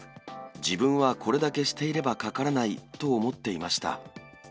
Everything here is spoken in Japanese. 自分はこれだけしていればかからないと思っていました。